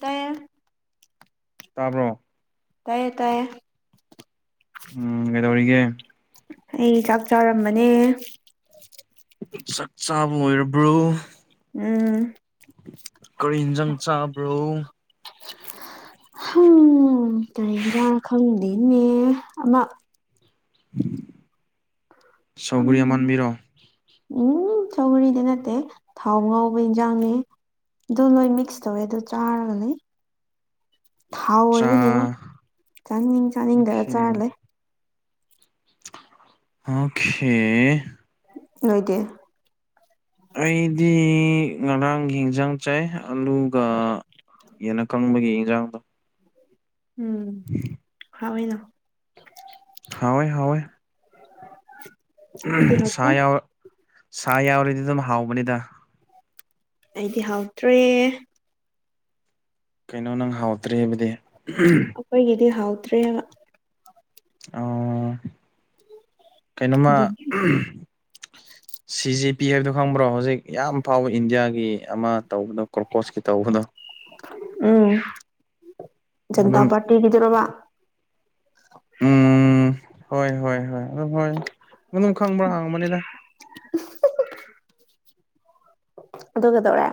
ꯇꯥꯏꯌꯦ ꯇꯥꯕ꯭ꯔꯣ ꯇꯥꯏꯌꯦ ꯇꯥꯏꯌꯦ ꯎꯝ ꯀꯩꯗꯧꯔꯤꯒꯦ ꯑꯩ ꯆꯥꯛ ꯆꯥꯔꯝꯕꯅꯦ ꯆꯥꯛ ꯆꯥꯕ ꯑꯣꯏꯔꯕ꯭ꯔꯣ ꯎꯝ ꯀꯔꯤ ꯍꯤꯟꯖꯥꯡ ꯆꯥꯕ꯭ꯔꯣ ꯍꯪ ꯀꯔꯤ ꯍꯤꯟꯖꯥꯡꯔ ꯈꯪ ꯗꯦꯅꯦ ꯑꯃ ꯁꯧꯒ꯭ꯔꯤ ꯎꯝ ꯑꯃꯥꯟꯕꯤꯔꯣ ꯎꯝ ꯁꯧꯒ꯭ꯔꯤꯗꯤ ꯅꯠꯇꯦ ꯊꯥꯎ ꯉꯧꯕ ꯏꯟꯖꯥꯡꯅꯤ ꯑꯗꯨ ꯅꯣꯏ ꯃꯤꯛꯁ ꯇꯧꯋꯦ ꯑꯗꯨ ꯆꯥꯔꯒ ꯂꯩ ꯊꯥꯎ ꯆꯥ ꯑꯣꯏꯕꯒꯤꯀꯣ ꯆꯥꯅꯤꯡ ꯆꯥꯅꯤꯡꯗ ꯆꯥꯔ ꯂꯩ ꯑꯣꯈꯦ ꯅꯣꯢꯗꯤ ꯑꯩꯗꯤ ꯉꯔꯥꯡꯒꯤ ꯌꯦꯟꯖꯥꯡ ꯆꯥꯏ ꯑꯂꯨꯒ ꯌꯦꯟꯅꯞ ꯀꯪꯕꯒꯤ ꯏꯟꯖꯥꯡꯗꯣ ꯎꯝ ꯍꯧꯋꯦꯅ ꯍꯥꯎꯋꯦ ꯍꯥꯎꯋꯦ [unintelligible] ꯑꯩꯗꯤ ꯁꯥ ꯍꯥꯎꯇꯦ ꯌꯥꯎ ꯁꯥ ꯌꯥꯎꯔꯤꯗꯤ ꯑꯗꯨꯝ ꯍꯥꯎꯕꯅꯤꯗ ꯑꯩꯗꯤ ꯍꯥꯎꯇ꯭ꯔꯦ ꯀꯩꯅꯣ ꯅꯪ ꯍꯥꯎꯇ꯭ꯔꯦ ꯍꯥꯏꯕꯗꯤ ꯑꯩꯈꯣꯏꯒꯤꯗꯤ ꯍꯥꯎꯇ꯭ꯔꯦꯕ ꯑꯣ ꯀꯩꯅꯣꯝꯃ ꯑꯗꯨꯒꯤ ꯎꯝ ꯁꯤꯖꯤ ꯄꯤ ꯍꯥꯏꯕꯗꯣ ꯈꯪꯕ꯭ꯔꯣ ꯍꯧꯖꯤꯛ ꯌꯥꯝ ꯐꯥꯎꯕ ꯏꯟꯗꯤꯌꯥꯒꯤ ꯑꯃ ꯇꯧꯕꯗꯣ ꯀꯣꯔꯀꯣꯁꯀꯤ ꯇꯧꯕꯗꯣ ꯎꯝ ꯑꯗꯨꯝ ꯖꯟꯇꯥ ꯄꯥꯔꯇꯤꯒꯤꯗꯨꯔꯣꯕ ꯎꯝ ꯍꯣꯏ ꯍꯣꯏ ꯍꯣꯏ ꯑꯗꯨꯝ ꯍꯣꯏ ꯑꯗꯨꯝ ꯈꯪꯕ꯭ꯔꯥ ꯍꯪꯕꯅꯤꯗ ꯑꯗꯨ ꯀꯩꯗꯧꯔꯦ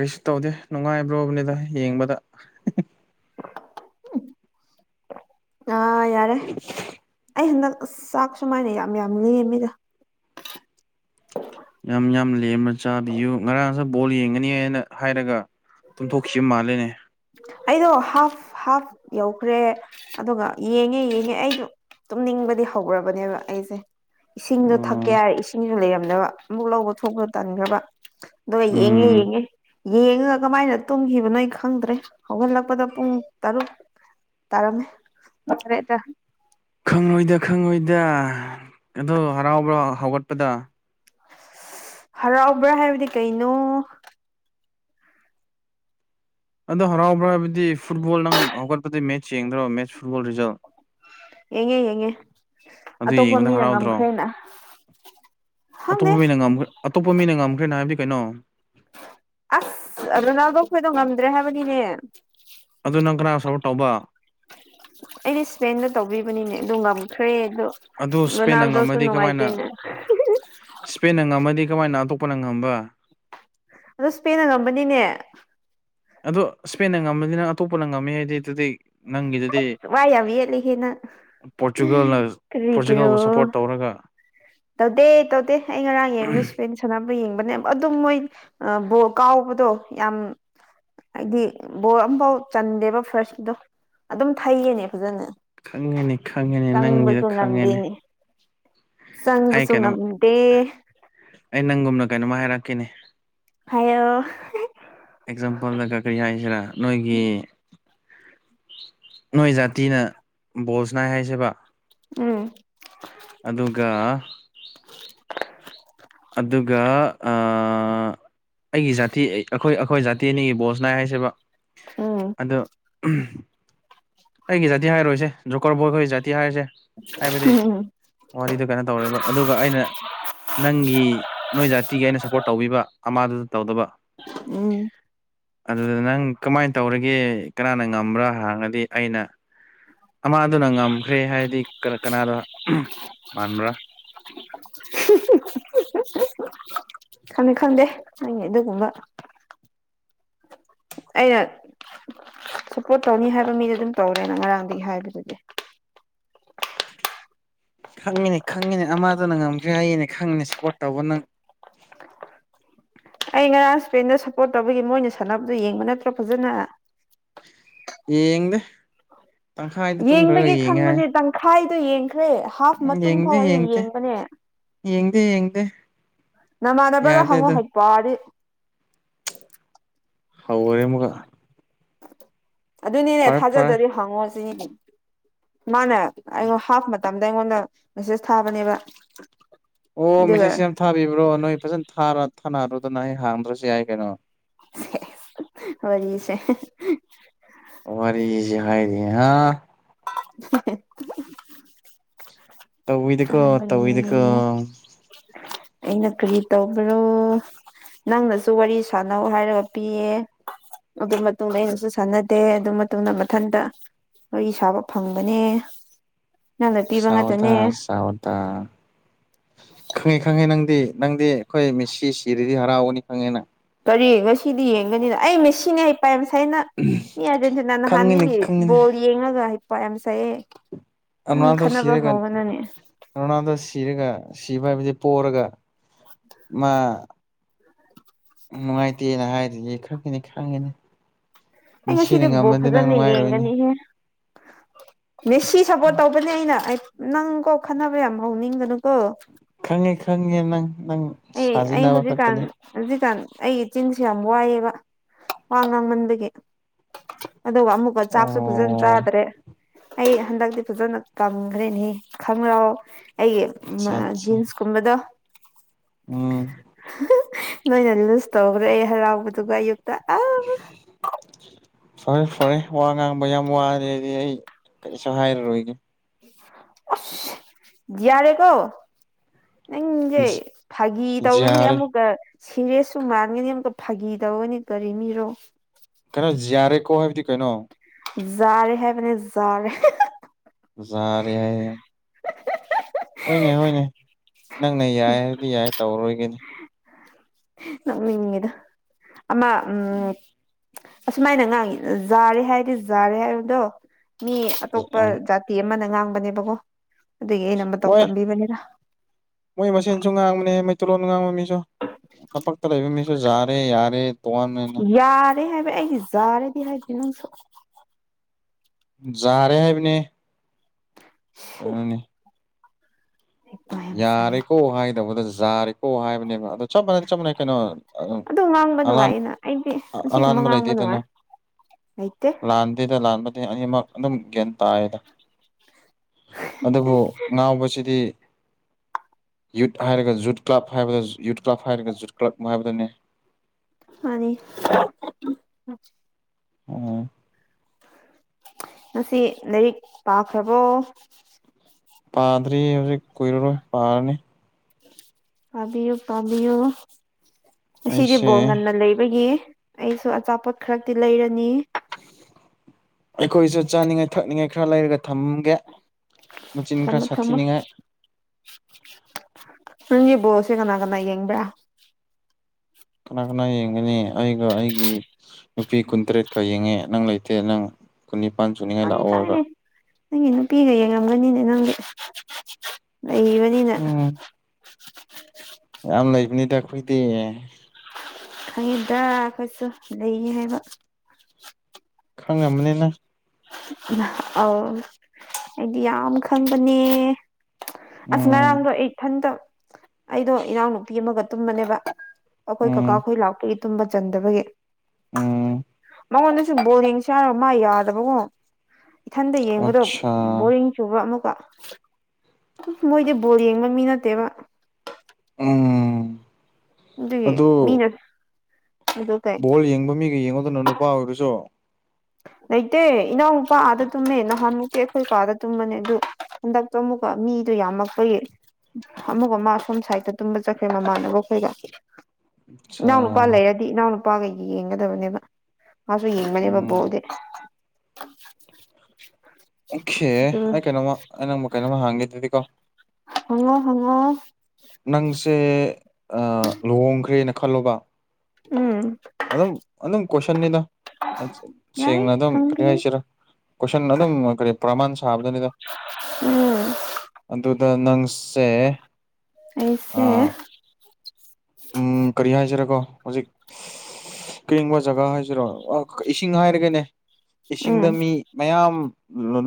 ꯀꯩꯁꯨ ꯇꯧꯗꯦ ꯅꯨꯡꯉꯥꯏꯕ꯭ꯔꯣꯕꯅꯤꯗ ꯌꯦꯡꯕꯗ ꯑꯥ ꯌꯥꯔꯦ ꯑꯩ ꯍꯟꯗꯛ ꯑꯁ ꯆꯥꯛ ꯁꯨꯃꯥꯏꯅ ꯌꯥꯝ ꯌꯥꯝ ꯂꯦꯝꯃꯤꯗ ꯌꯥꯝ ꯌꯥꯝ ꯂꯦꯝꯃ ꯆꯥꯕꯤꯌꯨ ꯉꯔꯥꯡꯁꯨ ꯕꯣꯜ ꯌꯦꯡꯒꯅꯤ ꯑꯦꯅ ꯍꯥꯏꯔꯒ ꯇꯨꯝꯊꯣꯛꯈꯤꯕ ꯃꯥꯜꯂꯦꯅꯦ ꯑꯩꯗꯣ ꯍꯥꯐ ꯍꯥꯐ ꯌꯧꯈ꯭ꯔꯦ ꯑꯗꯨꯒ ꯌꯦꯡꯉꯦ ꯌꯦꯡꯉꯦ ꯑꯩꯗꯣ ꯇꯨꯝꯅꯤꯡꯕꯗꯤ ꯍꯧꯔꯕꯅꯦꯕ ꯑꯩꯁꯦ ꯏꯁꯤꯡꯗꯣ ꯊꯛꯀꯦ ꯑꯣ ꯍꯥꯏꯔ ꯏꯁꯤꯡꯁꯨ ꯂꯩꯔꯝꯗꯕ ꯑꯃꯨꯛ ꯂꯧꯕ ꯊꯣꯛꯄ ꯇꯟꯈ꯭ꯔꯕ ꯗꯣ ꯌꯦꯡꯉꯦ ꯎꯝ ꯌꯦꯡꯉꯦ ꯌꯦꯡꯉ ꯀꯃꯥꯏꯅ ꯇꯨꯝꯈꯤꯕꯅꯣ ꯑꯩ ꯈꯪꯗ꯭ꯔꯦ ꯍꯧꯒꯠꯂꯛꯄꯗ ꯄꯨꯡ ꯇꯔꯨꯛ ꯇꯔꯝꯃꯦ [unintelligible] ꯗ꯭ꯔꯦꯗ ꯈꯪꯉꯣꯏꯗ ꯈꯪꯉꯣꯏꯗ ꯑꯗꯣ ꯍꯔꯥꯎꯕ꯭ꯔꯣ ꯍꯧꯎꯒꯠꯄꯗ ꯍꯔꯥꯎꯕ꯭ꯔꯥ ꯍꯥꯏꯕꯗꯤ ꯀꯩꯅꯣ ꯑꯗꯣ ꯍꯔꯥꯎꯕ꯭ꯔꯥ ꯍꯥꯏꯕꯗꯤ ꯐꯨꯠꯕꯣꯜ ꯅꯪ ꯍꯧꯒꯠꯄꯗꯤ ꯃꯦꯠꯁ ꯌꯦꯡꯗ꯭ꯔꯣ ꯃꯦꯠꯁ ꯐꯨꯠꯕꯣꯜ ꯔꯤꯖꯜ ꯌꯦꯡꯉꯦ ꯌꯦꯡꯉꯦ ꯑꯗꯨ ꯑꯇꯣꯞꯄ ꯌꯦꯡꯕꯗ ꯃꯤꯅ ꯍꯔꯥꯎꯗ꯭ꯔꯣ ꯉꯝꯈ꯭ꯔꯦꯅ ꯑꯇꯣꯞꯄ ꯈꯪꯗꯦ ꯃꯤꯅ ꯉꯈ꯭ꯔꯦ ꯑꯇꯣꯞꯄ ꯃꯤꯅ ꯉꯝꯈ꯭ꯔꯦꯅ ꯍꯥꯏꯕꯗꯤ ꯀꯩꯅꯣ ꯑꯁ ꯔꯣꯅꯥꯜꯗꯣ ꯈꯣꯏꯗꯣ ꯉꯝꯗ꯭ꯔꯦ ꯍꯥꯏꯕꯅꯤꯅꯦ ꯑꯗꯨ ꯅꯪ ꯀꯅꯥ ꯁꯞꯄꯣꯔꯠ ꯇꯧꯕ ꯑꯩꯗꯤ ꯏꯁꯄꯦꯟꯗ ꯇꯧꯕꯤꯕꯅꯤꯅꯦ ꯑꯗꯨ ꯉꯝꯈ꯭ꯔꯦ ꯑꯗꯨ ꯑꯗꯨ ꯏꯁꯄꯦꯟꯅ ꯔꯣꯅꯥꯜꯗꯣꯁꯨ ꯉꯝꯃꯗꯤ ꯀꯃꯥꯏꯅ ꯅꯨꯡꯉꯥꯏꯇꯦꯅꯦ ꯏꯁꯄꯦꯟꯅ ꯉꯝꯃꯗꯤ ꯀꯃꯥꯏꯅ ꯑꯗꯨ ꯄꯅ ꯉꯝꯕ ꯑꯗꯣ ꯏꯁꯄꯦꯟꯅ ꯉꯝꯕꯅꯤꯅꯦ ꯑꯗꯣ ꯏꯁꯄꯦꯟꯅ ꯉꯝꯃꯅꯤꯅ ꯑꯇꯣꯞꯄꯅ ꯉꯝꯃꯦ ꯍꯥꯏꯗꯤ ꯑꯗꯨꯗꯤ ꯅꯪꯒꯤꯗꯨꯗꯤ ꯋꯥ ꯌꯥꯝ ꯌꯦꯠꯂꯦ ꯍꯦ ꯅꯪ ꯄꯣꯔꯆꯨꯒꯜꯅ ꯀꯔꯤꯒꯤꯔꯣ ꯄꯣꯔꯆꯨꯒꯜꯕꯨ ꯁꯞꯄꯣꯔꯠ ꯇꯧꯔꯒ ꯇꯧꯗꯦ ꯇꯧꯗꯦ ꯑꯩ ꯉꯔꯥꯡ ꯌꯦꯡꯕꯗꯨ ꯏꯁꯄꯦꯟ ꯁꯅꯞ ꯌꯦꯡꯕꯅꯦ ꯑꯗꯨꯝ ꯃꯣꯏ ꯑ ꯕꯣꯜ ꯀꯥꯎꯕꯗꯣ ꯌꯥꯝ ꯍꯥꯏꯗꯤ ꯕꯣꯜ ꯑꯝꯐꯥꯎ ꯆꯟꯗꯦꯕ ꯐꯥꯔꯁꯀꯤꯗꯣ ꯑꯗꯨꯝ ꯊꯩꯌꯦꯅꯦ ꯐꯖꯅ ꯈꯪꯉꯦꯅꯦ ꯈꯪꯉꯦꯅꯦ ꯅꯪꯒꯤꯗ ꯆꯪꯕꯁꯨ ꯈꯪꯉꯦꯅꯦ ꯉꯝꯗꯦꯅꯦ ꯑꯩ ꯆꯪꯕꯁꯨ ꯀꯩꯅꯣꯝ ꯉꯝꯗꯦ ꯑꯩ ꯅꯪꯒꯨꯝꯅ ꯀꯩꯅꯣꯝꯃ ꯍꯥꯏꯔꯛꯀꯦꯅꯦ ꯍꯥꯏꯌꯣ ꯑꯦꯛꯖꯥꯝꯄꯜꯗ ꯀ ꯀꯔꯤ ꯍꯥꯏꯁꯤꯔꯥ ꯅꯣꯏꯒꯤ ꯅꯣꯏ ꯖꯥꯇꯤꯅ ꯕꯣꯜꯁꯅꯥꯏ ꯍꯥꯏꯁꯦꯕ ꯎꯝ ꯑꯗꯨꯒ [unintelligible] ꯑꯗꯨꯒ ꯑꯥ ꯑꯥ ꯑꯩꯒꯤ ꯖꯥꯇꯤ ꯑꯩꯈꯣꯏ ꯑꯩꯈꯣꯏ ꯖꯥꯇꯤ ꯑꯅꯤꯒꯤ ꯕꯣꯜ ꯁꯅꯥꯏ ꯍꯥꯏꯁꯦꯕ ꯎꯝ ꯑꯗꯨ ꯑꯩꯒꯤ ꯖꯥꯇꯤ ꯍꯥꯏꯔꯣꯏꯁꯦ ꯖꯣꯀ꯭ꯔꯣꯜ ꯕꯣꯏꯈꯣꯏ ꯖꯥꯇꯤ ꯍꯥꯏꯔꯁꯦ ꯎꯝꯎꯝ ꯋꯥꯔꯤꯗꯨ ꯀꯩꯅꯣ ꯇꯧꯔꯦꯕ ꯑꯗꯨꯒ ꯑꯩꯅ ꯅꯪꯒꯤ ꯅꯣꯏ ꯖꯥꯇꯤꯒꯤ ꯑꯩꯅ ꯁꯞꯄꯣꯔꯠ ꯇꯧꯕꯤꯕ ꯑꯃꯗꯨ ꯇꯧꯗꯕ ꯎꯝ ꯑꯗꯨꯗ ꯅꯪ ꯀꯃꯥꯏꯟ ꯇꯧꯔꯒꯦ ꯀꯅꯥꯅ ꯉꯝꯕ꯭ꯔꯥ ꯍꯥꯡꯉꯗꯤ ꯑꯩꯅ ꯑꯃꯗꯨꯅ ꯉꯝꯈ꯭ꯔꯦ ꯍꯥꯏꯔꯗꯤ ꯀꯔ ꯀꯅꯥꯔꯥ ꯃꯥꯟꯕ꯭ꯔꯥ ꯈꯪꯗꯦ ꯈꯪꯗꯦ ꯅꯪꯒꯤ ꯑꯗꯨꯒꯨꯝꯕ ꯑꯩꯅ ꯁꯞꯄꯣꯔꯠ ꯇꯧꯅꯤ ꯍꯥꯏꯕ ꯃꯤꯗꯨ ꯑꯗꯨꯝ ꯇꯧꯔꯦꯅ ꯉꯔꯥꯡꯗꯒꯤ ꯍꯥꯏꯕꯗꯨꯗꯤ ꯈꯪꯉꯤꯅꯦ ꯈꯪꯉꯤꯅꯦ ꯑꯃꯗꯨꯅ ꯉꯝꯈ꯭ꯔꯦ ꯍꯥꯏꯌꯦꯅꯦ ꯈꯪꯉꯤꯅꯦ ꯁꯞꯄꯣꯔꯠ ꯇꯧꯕ ꯅꯪ [inaudible] ꯑꯩ ꯉꯔꯥꯡ ꯁꯄꯦꯟꯗ ꯁꯞꯄꯣꯔꯠ ꯇꯧꯕꯒꯤ ꯃꯣꯏꯅ ꯁꯥꯟꯅꯕꯗꯨ ꯌꯦꯡꯕ ꯅꯠꯇ꯭ꯔꯣ ꯐꯖꯅ ꯌꯦꯡꯗꯦ ꯇꯪꯈꯥꯏꯗ ꯇꯨꯝꯈ꯭ꯔꯒ ꯌꯦꯡꯉꯦ ꯍꯥꯏ ꯈ꯭ꯔꯦ ꯍꯥꯐ ꯎꯝ ꯃꯇꯨꯡ ꯌꯦꯡꯗꯦ ꯐꯥꯎ ꯑꯩꯅ ꯌꯦꯡꯗꯦ ꯌꯦꯡꯕꯅꯦ ꯌꯦꯡꯗꯦ ꯌꯦꯡꯗꯦ ꯅꯃꯥꯟꯅꯕꯗ ꯌꯥꯗꯦ ꯍꯪꯉꯣ ꯑꯗꯣ ꯍꯩꯄꯥꯗꯤ ꯍꯧꯋꯦ ꯑꯃꯨꯛꯀ ꯑꯗꯨꯅꯤꯅꯦ ꯐꯔꯦ ꯐꯔꯦ ꯊꯥꯖꯗꯗꯤ ꯍꯪꯉꯣ ꯁꯤꯅꯤꯒꯤ ꯃꯥꯅ ꯑꯩꯉꯣꯟ ꯍꯥꯐ ꯃꯇꯝꯗ ꯑꯩꯉꯣꯟꯗ ꯃꯦꯁꯦꯁ ꯊꯥꯕꯅꯦꯕ ꯑꯣ ꯑꯗꯨꯒ ꯃꯦꯁꯦꯁꯁꯦ ꯌꯥꯝ ꯊꯥꯕꯤꯕ꯭ꯔꯣ ꯅꯣꯏ ꯐꯖꯅ ꯊꯥꯔ ꯊꯥꯅꯔꯨꯗꯅ ꯑꯩ ꯍꯥꯡꯗ꯭ꯔꯁꯨ ꯌꯥꯏ ꯀꯩꯅꯣ ꯁꯦꯁ ꯋꯥꯔꯤꯁꯦ ꯌꯍꯥ [unintelligible] ꯇꯧꯋꯤꯗꯀꯣ ꯇꯧꯋꯤꯗꯀꯣ ꯊꯥꯕꯅꯦ ꯑꯩꯅ ꯀꯔꯤ ꯇꯧꯕ꯭ꯔꯣ ꯅꯪꯅꯁꯨ ꯋꯥꯔꯤ ꯁꯥꯟꯅꯧ ꯍꯥꯏꯔꯒ ꯄꯤꯌꯦ ꯑꯗꯨ ꯃꯇꯨꯡꯗ ꯑꯩꯅꯁꯨ ꯁꯥꯟꯅꯗꯦ ꯑꯗꯨ ꯃꯇꯨꯡꯗ ꯃꯊꯟꯇ ꯋꯥꯔꯤ ꯁꯥꯕ ꯐꯪꯕꯅꯦ ꯅꯪꯅ ꯄꯤꯕ ꯉꯥꯛꯇꯅꯦ ꯇꯥ ꯈꯪꯉꯦ ꯈꯪꯉꯦ ꯅꯪꯗꯤ ꯅꯪꯗꯤ ꯑꯩꯈꯣꯏ ꯃꯤꯁꯤ ꯁꯤꯔꯗꯤ ꯍꯔꯥꯎꯒꯅꯤ ꯈꯪꯉꯦ ꯅꯪ ꯀꯔꯤ ꯉꯁꯤꯗꯤ ꯌꯦꯡꯒꯅꯤꯅ ꯑꯩ ꯃꯦꯁꯤꯅꯦ ꯍꯩ ꯄꯥ ꯌꯥꯝ ꯁꯥꯏꯑꯦ ꯅꯪ ꯃꯤ ꯑꯥꯔꯖꯦꯟꯇꯤꯅꯥ ꯈꯪꯉꯤꯅꯤ ꯅꯍꯥꯟꯗꯒꯤ ꯈꯪꯉꯤꯅꯤ ꯕꯣꯜ ꯌꯦꯡꯉꯒ ꯍꯩꯄ ꯌꯥꯝ ꯁꯥꯏꯌꯦ ꯅꯪ ꯑꯉꯥꯡꯗꯣ ꯈꯠꯅꯕ ꯁꯤꯔꯒ ꯍꯧꯒꯅꯨꯅꯦ ꯔꯣꯅꯥꯜꯗꯣ ꯁꯤꯔꯒ ꯁꯤꯕ ꯍꯥꯏꯕꯗꯤ ꯄꯣꯔꯒ ꯃꯥ ꯅꯨꯡꯉꯥꯏꯇꯦ ꯍꯥꯏꯔꯤꯌꯦ ꯈꯪꯉꯤꯅꯦ ꯈꯪꯉꯤꯅꯦ ꯑꯩ ꯉꯁꯤꯗꯤ ꯕꯣꯜ ꯐꯖꯅ ꯌꯦꯡꯒꯅꯤꯍꯦ ꯃꯦꯁꯤ ꯁꯞꯄꯣꯔꯠ ꯇꯧꯕꯅꯦ ꯑꯩꯅ ꯅꯪ ꯀꯣ ꯈꯟꯅꯕ ꯌꯥꯝ ꯍꯧꯅꯤꯡꯒꯅꯨꯀꯣ ꯈꯪꯉꯦ ꯈꯪꯉꯦ ꯅꯪ ꯅꯪ ꯑꯩ ꯑꯩ ꯁꯥꯖꯤꯟꯅꯕ ꯍꯧꯖꯤꯛꯀꯥꯟ ꯈꯛꯇꯅꯤ ꯍꯧꯖꯤꯛꯀꯥꯟ ꯑꯩꯒꯤ ꯆꯤꯟꯁꯤ ꯌꯥꯝ ꯋꯥꯏꯑꯦꯕ ꯋꯥ ꯉꯥꯡꯃꯟꯕꯒꯤ ꯑꯗꯨꯒ ꯑꯃꯨꯛꯀ ꯆꯥꯛꯁꯨ ꯐꯖꯅ ꯑꯣ ꯆꯥꯗ꯭ꯔꯦ ꯑꯩ ꯍꯟꯗꯛꯇꯤ ꯐꯖꯅ ꯀꯪꯈ꯭ꯔꯦꯅꯤ ꯈꯪꯈ꯭ꯔꯣ ꯑꯩꯒꯤ ꯑꯠꯆꯥ ꯑꯥ ꯑꯠꯆꯥ ꯖꯤꯟꯁ ꯀꯨꯝꯕꯗꯣ ꯎꯝ [unintelligible] ꯂꯣꯏꯅ ꯂꯨꯁ ꯇꯧꯈ꯭ꯔꯦ ꯍꯔꯥꯎꯕꯗꯨꯒ ꯑꯌꯨꯛ [inaudible] ꯐꯔꯦ ꯐꯔꯦ ꯋꯥ ꯉꯥꯡꯕ ꯌꯥꯝ ꯋꯥꯔꯦ ꯍꯥꯏꯗꯤ ꯑꯩ ꯀꯔꯤꯁꯨ ꯍꯥꯏꯔꯔꯣꯏꯒꯦ ꯑꯁ ꯌꯥꯔꯦ ꯀꯣ ꯅꯪꯁꯦ ꯐꯥꯒꯤ ꯇꯧꯒꯅꯤ ꯌꯥꯔꯦ ꯑꯃꯨꯛꯀ ꯁꯤꯔꯦꯁꯁꯨ ꯃꯥꯟꯒꯅꯤ ꯑꯃꯨꯛꯇ ꯐꯥꯒꯤ ꯇꯧꯒꯅꯤ ꯀꯔꯤꯃꯤꯔꯣ ꯈꯔ ꯖꯥꯔꯦꯀꯣ ꯍꯥꯏꯕꯗꯤ ꯀꯩꯅꯣ ꯖꯥꯔꯦ ꯍꯥꯢꯕꯅꯦ ꯖꯥꯔꯦ [unintelligible] ꯖꯥꯔꯦ ꯍꯥꯏꯌꯦ ꯍꯣꯏꯅꯦ ꯍꯣꯏꯅꯦ ꯅꯪꯅ ꯌꯥꯏꯌꯦ ꯍꯥꯢꯔꯗꯤ ꯌꯥꯏꯑꯦ ꯇꯧꯔꯣꯏꯒꯦꯅꯦ ꯅꯣꯛꯅꯤꯡꯏꯗ ꯑꯃ ꯎꯝ ꯑꯁꯨꯃꯥꯏꯅ ꯉꯥꯡꯉꯤ ꯖꯥꯔꯦ ꯍꯥꯏꯗꯤ ꯖꯥꯔꯦ ꯍꯥꯏꯕꯗꯣ ꯃꯤ ꯑꯇꯣꯞꯄ ꯎꯝ ꯖꯥꯇꯤ ꯑꯃꯅ ꯉꯥꯡꯕꯅꯦꯕꯀꯣ ꯑꯗꯨꯒꯤ ꯑꯩꯅ ꯃꯇꯧ ꯃꯣꯏ ꯇꯝꯕꯤꯕꯅꯤꯗ ꯇꯨꯂꯣꯟ ꯉꯥꯡꯕ ꯃꯤꯁꯨ ꯇꯝꯄꯥꯛꯇ ꯂꯩꯕ ꯃꯤꯁꯨ ꯖꯥꯔꯦ ꯌꯥꯔꯦ ꯇꯣꯉꯥꯟ ꯑꯣꯢꯅ ꯌꯥꯔꯦ ꯍꯥꯏꯕ ꯑꯩꯗꯤ ꯖꯥꯔꯦꯗꯤ ꯍꯥꯏꯗꯦ ꯅꯪꯁꯨ ꯖꯥꯔꯦ ꯍꯥꯏꯕꯅꯦꯍꯦ ꯀꯩꯅꯣꯅꯦ ꯋꯥ ꯌꯥꯝ ꯁꯥꯏꯌꯦ ꯌꯥꯔꯦꯀꯣ ꯍꯥꯏꯒꯗꯧꯕꯗ ꯖꯥꯔꯦꯀꯣ ꯍꯥꯏꯕꯅꯦꯕ ꯑꯗꯨ ꯆꯞ ꯃꯥꯟꯅꯩ ꯆꯞ ꯃꯥꯟꯅꯩ ꯀꯩꯅꯣ ꯑꯗꯨꯝ ꯑꯗꯨ ꯉꯥꯡꯕ ꯑꯂꯥꯟ ꯅꯨꯡꯉꯥꯏꯌꯦꯅ ꯑꯩꯗꯤ ꯑꯁꯤꯒꯨꯝꯕ ꯑꯂꯥꯟꯕ ꯂꯩꯇꯦ ꯉꯥꯡꯕ ꯗꯅ ꯅꯨꯡꯉꯥꯏ ꯍꯩꯇꯦ ꯂꯥꯟꯗꯦꯗ ꯂꯥꯟꯕ ꯑꯩꯗꯤ ꯑꯅꯤꯃꯛ ꯑꯗꯨꯝ ꯒ꯭ꯌꯥꯟ ꯇꯥꯏꯌꯦꯗ ꯑꯗꯨꯕꯨ ꯉꯥꯎꯕꯁꯤꯗꯤ [inaudible] ꯌꯨꯠ ꯍꯥꯏꯔꯒ ꯖꯨꯠ ꯀ꯭ꯂꯕ ꯍꯥꯏꯕꯗ ꯌꯨꯠ ꯀ꯭ꯂꯕ ꯍꯥꯏꯔꯒ ꯖꯨꯠ ꯀ꯭ꯂꯕ ꯍꯥꯏꯕꯗꯨꯅꯤ ꯃꯥꯅꯤ ꯑꯣ ꯉꯁꯤ ꯂꯥꯏꯔꯤꯛ ꯄꯥꯈ꯭ꯔꯕꯣ ꯄꯥꯗ꯭ꯔꯤ ꯍꯧꯖꯤꯛ ꯀꯨꯏꯔꯔꯣꯏ ꯄꯥꯔꯅꯤ ꯄꯥꯕꯤꯌꯨ ꯄꯥꯕꯤꯌꯨ ꯉꯁꯤꯗꯤ ꯑꯩꯁꯦ ꯕꯣꯜ ꯉꯟꯅ ꯂꯩꯕꯒꯤ ꯑꯩꯁꯨ ꯑꯆꯥꯄꯣꯠ ꯈꯔꯗꯤ ꯂꯩꯔꯅꯤ ꯑꯩꯈꯣꯏꯁꯨ ꯆꯥꯅꯤꯡꯉꯥꯏ ꯊꯛꯅꯤꯡꯉꯥꯏ ꯈꯔ ꯂꯩꯔꯒ ꯊꯝꯒꯦ ꯃꯆꯤꯟ ꯊꯝꯃꯣ ꯈꯔ ꯊꯝꯃꯣ ꯁꯥꯊꯤꯅꯤꯉꯥꯏ ꯅꯪꯒꯤ ꯕꯣꯜꯁꯦ ꯀꯅꯥ ꯀꯅꯥ ꯌꯦꯡꯕ꯭ꯔꯥ ꯀꯅꯥ ꯀꯅꯥ ꯌꯦꯡꯒꯅꯤ ꯑꯩꯒ ꯑꯩꯒꯤ ꯅꯨꯄꯤ ꯀꯨꯟꯇꯔꯦꯠꯀ ꯌꯦꯡꯉꯦ ꯅꯪ ꯂꯩꯇꯦ ꯅꯪ ꯀꯨꯟ ꯅꯤꯄꯥꯟ ꯁꯨꯅꯤꯡꯉꯥꯏ ꯈꯪꯉꯦ ꯂꯥꯛꯑꯣ ꯍꯥꯢꯔ ꯈꯪꯉꯦꯅꯦ ꯅꯪꯒꯤ ꯅꯨꯄꯤꯒ ꯌꯦꯡꯉꯝꯒꯅꯤꯅꯦ ꯅꯪꯗꯤ ꯅꯩꯕꯅꯤꯅ ꯎꯝ ꯌꯥꯝ ꯂꯩꯕꯅꯤꯗ ꯑꯩꯈꯣꯏꯗꯤ ꯈꯪꯢꯗ ꯑꯩꯈꯣꯢꯁꯨ ꯂꯩꯌꯦ ꯍꯥꯏꯕ ꯈꯪꯉꯝ ꯃꯅꯤ ꯅ ꯑꯧ ꯑꯩꯗꯤ ꯌꯥꯝ ꯈꯪꯕꯅꯦ ꯑꯁ ꯎꯝ ꯉꯔꯥꯡꯗꯣ ꯑꯩ ꯏꯊꯟꯇ ꯑꯩꯗꯣ ꯏꯅꯥꯎꯅꯨꯄꯤ ꯑꯃꯒ ꯇꯨꯝꯕꯅꯦꯕ ꯑꯩꯈꯣꯏ ꯀꯀꯥ ꯎꯝ ꯈꯣꯏ ꯂꯥꯛꯄꯒꯤ ꯇꯨꯝꯕ ꯆꯟꯗꯕꯒꯤ ꯎꯝ ꯃꯉꯣꯟꯗꯁꯨ ꯕꯣꯜ ꯌꯦꯡꯁꯦ ꯍꯥꯔꯒ ꯃꯥ ꯌꯥꯗꯕꯀꯣ ꯏꯊꯟꯗ ꯌꯦꯡꯕꯗꯣ ꯑꯠꯁꯥ ꯕꯣꯔꯤꯡ ꯆꯨꯕ ꯑꯃꯨꯛꯀ ꯃꯣꯏꯗꯤ ꯕꯣꯜ ꯌꯦꯡꯕ ꯃꯤ ꯅꯠꯇꯦꯕ ꯎꯝ ꯑꯗꯨꯒꯤ ꯑꯗꯨ ꯃꯤꯅ ꯑꯗꯨ ꯀꯩ ꯕꯣꯜ ꯌꯦꯡꯕ ꯃꯤꯒ ꯌꯦꯡꯉꯣꯗꯅ ꯅꯨꯄꯥ ꯑꯣꯏꯔꯁꯨ [inaudible] ꯂꯩꯇꯦ ꯏꯅꯥꯎꯅꯨꯄꯥ ꯑꯥꯗ ꯇꯨꯝꯃꯦ ꯅꯍꯥꯟꯃꯨꯛꯇꯤ ꯑꯩꯈꯣꯏ ꯀꯥꯗ ꯇꯨꯝꯕꯅꯦ ꯑꯗꯨ ꯍꯟꯗꯛꯇꯣ ꯑꯃꯨꯛꯀ ꯃꯤ ꯗꯣ ꯌꯥꯝꯃꯛꯄꯒꯤ ꯑꯃꯨꯛꯀ ꯃꯥ ꯑꯁꯣꯝ ꯁꯥꯏꯗꯠꯇ ꯇꯨꯝꯕ ꯆꯠꯈ꯭ꯔꯦ ꯃꯃꯥꯟꯅꯕ ꯈꯣꯏꯒ ꯑꯆꯥ ꯏꯅꯥꯎꯅꯨꯄꯥ ꯂꯩꯔꯗꯤ ꯏꯅꯥꯎꯅꯨꯄꯥꯒ ꯌꯦꯡꯒꯗꯕꯅꯦꯕ ꯃꯥꯁꯨ ꯌꯦꯡꯕꯅꯦꯕ ꯎꯝ [inaudible] ꯑꯣꯀꯦ ꯑꯗꯨ ꯑꯩ ꯀꯩꯅꯣꯃ ꯑꯩ ꯅꯪꯕꯨ ꯀꯩꯅꯣꯝꯃ ꯍꯥꯡꯒꯦ ꯑꯗꯨꯗꯤ ꯀꯣ ꯍꯪꯉꯣ ꯍꯪꯉꯣ ꯅꯪꯁꯦ ꯂꯨꯍꯣꯡꯈ꯭ꯔꯦꯅ ꯈꯜꯂꯣꯀꯣ ꯎꯝ ꯑꯗꯨꯝ ꯑꯗꯨꯝ ꯀꯣꯏꯁꯟꯅꯤꯗ ꯌꯥꯏ ꯁꯦꯡꯅ ꯑꯗꯨꯝ ꯀꯔꯤ ꯍꯪꯕꯤꯌꯨ ꯍꯥꯏꯁꯤꯔꯥ ꯀꯣꯏꯁꯟ ꯑꯗꯨꯝ ꯀꯔꯤ ꯄ꯭ꯔꯃꯥꯟ ꯁꯥꯕꯗꯅꯤꯗ ꯎꯝ ꯑꯗꯨꯗ ꯅꯪ ꯁꯦ ꯑꯩꯁꯦ ꯑꯥ ꯎꯝ ꯀꯔꯤ ꯍꯥꯏꯖꯤꯔꯒꯣ ꯍꯧꯖꯤꯛ ꯀꯔꯤꯕ ꯖꯒꯥ ꯍꯥꯏꯁꯤꯔꯣ ꯏꯁꯤꯡ ꯍꯥꯏꯔꯒꯦꯅꯦ ꯏꯁꯤꯡꯗ ꯎꯝ ꯃꯤ ꯃꯌꯥꯝ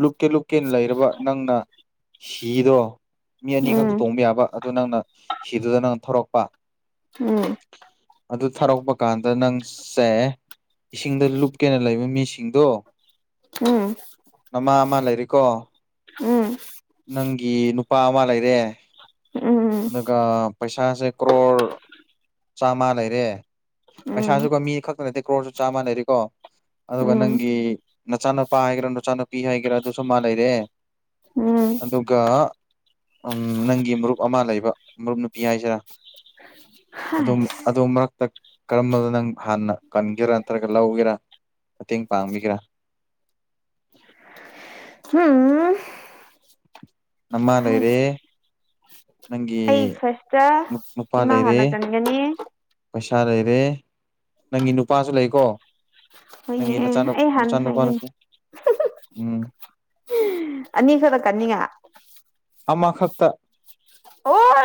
ꯂꯨꯞꯀꯦ ꯂꯨꯞꯀꯦꯅ ꯂꯩꯔꯕ ꯅꯪꯅ ꯍꯤꯗꯣ ꯃꯤ ꯑꯅꯤꯈꯛꯇ ꯎꯝ ꯇꯣꯡꯕ ꯌꯥꯕ ꯑꯗꯨ ꯅꯪꯅ ꯍꯤꯗꯨꯗ ꯅꯪꯅ ꯊꯧꯔꯛꯄ ꯎꯝ ꯑꯗꯨ ꯊꯥꯔꯛꯄ ꯀꯥꯟꯗ ꯅꯪ ꯁꯦ ꯏꯁꯤꯡꯗ ꯂꯨꯞꯀꯦꯅ ꯂꯩꯕ ꯃꯤꯁꯤꯡꯗꯣ ꯎꯝ ꯑꯃ ꯑꯃ ꯂꯩꯔꯤꯀꯣ ꯎꯝ ꯅꯨꯄꯥ ꯑꯃ ꯂꯩꯔꯦ ꯎꯝ ꯑꯗꯨꯒ ꯄꯩꯁꯥꯁꯦ ꯀ꯭ꯔꯣꯔ ꯆꯥꯝꯃ ꯂꯩꯔꯦ ꯎꯝ ꯄꯩꯁꯥꯁꯨꯀꯣ ꯃꯤ ꯈꯛꯇ ꯅꯠꯇꯦ ꯀ꯭ꯔꯣꯔꯁꯨ ꯆꯥꯝꯃꯥ ꯂꯩꯔꯤꯀꯣ ꯑꯗꯨꯒ ꯎꯝ ꯅꯪꯒꯤ ꯅꯆꯥꯅꯨꯄ ꯍꯥꯏꯒꯦꯔ ꯅꯨꯆꯥꯅꯨꯄꯤ ꯍꯥꯏꯒꯦꯔꯥ ꯑꯗꯨꯁꯨ ꯑꯃ ꯂꯩꯔꯦ ꯎꯝ ꯑꯗꯨꯒ ꯎꯝ ꯅꯪꯒꯤ ꯃꯔꯨꯞ ꯑꯃ ꯂꯩꯕ ꯃꯔꯨꯞ ꯅꯨꯄꯤ ꯍꯥꯏꯁꯤꯔꯥ ꯑꯗꯨꯝ ꯍꯥꯏꯁ ꯑꯗꯨꯝ ꯃꯔꯛꯇ ꯀꯔꯝꯕꯗ ꯅꯪ ꯍꯥꯟꯅ ꯀꯟꯒꯦꯔꯥ ꯅꯠꯇ꯭ꯔꯒ ꯂꯧꯒꯦꯔꯥ ꯃꯇꯦꯡ ꯄꯥꯡꯕꯤꯒꯦꯔꯥ [inaudible] [unintelligible] ꯅꯃꯥ ꯂꯩꯔꯦ ꯍꯥꯏꯁ ꯅꯪꯒꯤ ꯑꯩ ꯐꯥꯔꯁꯇ ꯃꯄꯥ ꯏꯃꯥ ꯂꯩꯔꯦ ꯍꯥꯟꯅ ꯀꯟꯒꯅꯤ ꯄꯩꯁꯥ ꯂꯩꯔꯦ ꯅꯪꯒꯤ ꯅꯨꯄꯥꯁꯨ ꯂꯩꯀꯣ ꯍꯣꯏꯅꯦ ꯅꯪꯒꯤ ꯑꯦ ꯅꯆꯥ ꯑꯩ ꯍꯥꯟꯅ ꯅꯆꯥꯅꯨꯄꯥ ꯍꯥꯏꯒꯦꯅꯦ ꯅꯠꯇꯦ ꯎꯝ ꯑꯅꯤ ꯀꯅꯤꯡꯉꯥ ꯈꯛꯇ ꯑꯣ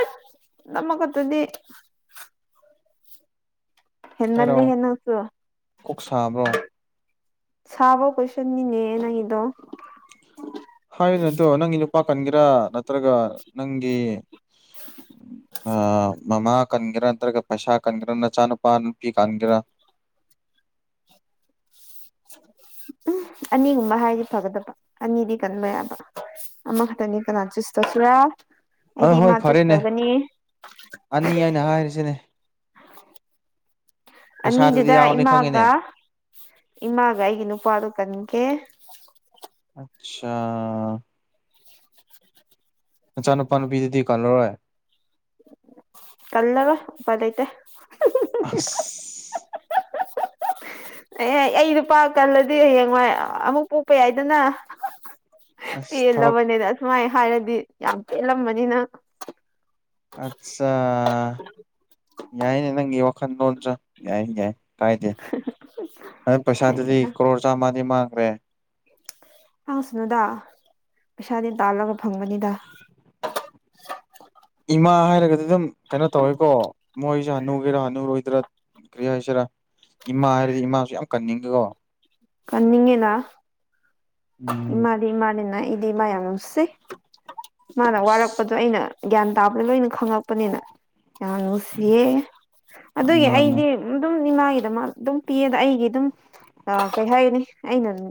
ꯅꯝꯃꯈꯠꯇꯨꯗꯤ ꯍꯦꯟꯃꯟ ꯂꯦ ꯍꯥꯏꯔꯛꯑꯣ ꯍꯦ ꯅꯪꯁꯨ ꯀꯣꯛ ꯁꯥꯕ꯭ꯔꯣ ꯁꯥꯕ ꯀꯣꯏꯁꯟꯅꯤꯅꯦ ꯅꯪꯒꯤꯗꯣ ꯍꯥꯏꯌꯨꯅꯇꯣ ꯅꯪꯒꯤ ꯅꯨꯨꯄꯥ ꯀꯟꯒꯦꯔꯥ ꯅꯠꯇ꯭ꯔꯒ ꯅꯪꯒꯤ ꯑꯥ ꯃꯃꯥ ꯀꯟꯒꯦꯔꯥ ꯅꯠꯇ꯭ꯔꯒ ꯄꯩꯁꯥ ꯀꯟꯒꯦꯔꯥ ꯅꯆꯥꯅꯨꯄꯥ ꯅꯨꯄꯤ ꯀꯟꯒꯦꯔꯥ [inaudible] ꯎꯝ ꯑꯅꯤꯒꯨꯝꯕ ꯍꯥꯏꯗꯤ ꯐꯒꯗꯕ ꯑꯅꯤꯗꯤ ꯀꯟꯕ ꯌꯥꯗꯕ ꯑꯃꯈꯛꯇꯅꯤ ꯀꯅꯥ ꯆꯨꯁ ꯇꯧ ꯁꯨꯔꯦ ꯑꯗꯣ ꯍꯣꯏ ꯐꯔꯦꯅꯦ ꯑꯅꯤ ꯍꯥꯏꯅ ꯍꯥꯏꯔꯤꯁꯤꯅꯦ ꯄꯩꯁꯥꯗꯨꯗꯤ ꯑꯅꯤꯗꯨꯗ ꯌꯥꯎꯔꯅꯤ ꯈꯪꯉꯦꯅꯦ ꯏꯃꯥꯒ ꯏꯃꯥꯒ ꯑꯩꯒꯤ ꯅꯨꯄꯥꯗꯨ ꯀꯟꯒꯦ ꯑꯠꯁꯥ ꯅꯆꯥꯅꯨꯄꯥ ꯅꯨꯄꯤꯗꯨꯗꯤ ꯀꯜꯂꯔꯣꯏ ꯀꯜꯂꯔꯣꯏ ꯎꯄꯥꯢ ꯂꯩꯇꯦ ꯑꯁ ꯑꯦ ꯑꯩ ꯂꯨꯄꯥ ꯀꯜꯂꯗꯤ ꯍꯌꯦꯡꯋꯥꯏ ꯑꯃꯨꯛ ꯄꯣꯛꯄ ꯌꯥꯏꯗꯅ [unintelligible] ꯑꯁ ꯊꯕꯛ ꯄꯦꯜꯂꯕꯅꯤꯅ ꯑꯁꯨꯃꯥꯏ ꯍꯥꯏꯔꯗꯤ ꯌꯥꯝ ꯄꯦꯜꯂꯝꯃꯅꯤꯅ ꯑꯠꯆꯥ ꯌꯥꯏꯅꯦ ꯅꯪꯒꯤ ꯋꯥꯈꯜꯂꯣꯜꯟꯁꯨ ꯌꯥꯏ ꯌꯥꯏ ꯀꯥꯏꯗꯦ ꯑꯗꯨ ꯄꯩꯁꯥꯗꯨꯗꯤ ꯀꯣꯔ ꯆꯥꯝꯃꯗꯤ ꯃꯥꯡꯈ꯭ꯔꯦ ꯃꯥꯡꯁꯅꯨꯗ ꯄꯩꯁꯥꯗꯤ ꯇꯥꯜꯂꯒ ꯐꯪꯕꯅꯤꯗ [inaudible] ꯏꯃꯥ ꯍꯥꯏꯔꯒꯗꯤ ꯑꯗꯨꯝ ꯀꯩꯅꯣ ꯇꯧꯋꯦꯀꯣ ꯃꯣꯏꯁꯦ ꯍꯅꯨꯒꯦꯔꯥ ꯍꯅꯨꯔꯣꯏꯗꯔꯥ ꯀꯔꯤ ꯍꯥꯏꯁꯤꯔꯥ ꯏꯃꯥ ꯍꯥꯏꯔꯗꯤ ꯏꯃꯥꯁꯨ ꯌꯥꯝ ꯀꯟꯅꯤꯡꯉꯤꯀꯣ ꯀꯟꯅꯤꯡꯉꯦꯅꯥ ꯎꯝ ꯏꯃꯥꯗꯤ ꯏꯃꯥꯅꯤꯅ ꯑꯩꯗꯤ ꯏꯃꯥ ꯌꯥꯝ ꯅꯨꯡꯁꯤ ꯃꯥꯅ ꯋꯥꯔꯛꯄꯗꯣ ꯑꯩꯅ ꯒ꯭ꯌꯥꯟ ꯇꯥꯕꯗ ꯂꯣꯏꯅ ꯈꯪꯪꯂꯛꯄꯅꯤꯅ ꯌꯥꯝꯅꯨꯡꯁꯤꯌꯦ ꯑꯗꯨꯒꯤ ꯃꯥꯅꯦ ꯑꯩꯗꯤ ꯑꯗꯨꯝ ꯏꯃꯥꯒꯤꯗ ꯃꯥ ꯑꯗꯨꯝ ꯄꯤꯌꯦꯗ ꯑꯩꯒꯤ ꯑꯗꯨꯝ ꯀꯩ ꯍꯥꯏꯒꯅꯤ ꯑꯩꯅ ꯑꯗꯨꯝ